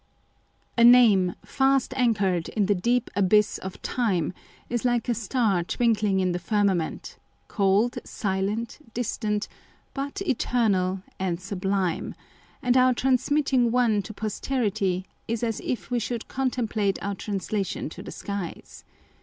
A name " fast anchored in the deep abyss of time " is like a star twinkling in the firmament, cold, silent, distant, but eternal and sublime ; and our transmitting one to pos terity is as if we should contemplate our translation to the skies.